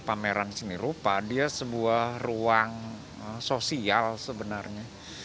pameran seni rupa dia sebuah ruang sosial sebenarnya